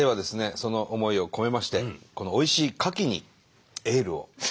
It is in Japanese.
その思いを込めましてこのおいしいかきにエールを。